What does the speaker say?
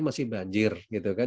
masih banjir gitu kan